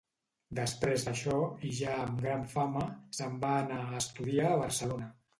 Després d'això, i ja amb gran fama, se'n va anar a estudiar a Barcelona.